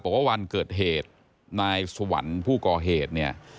บอกว่าวันเกิดเหตุนายสวรรค์ผู้ก่อเหตุเนี่ย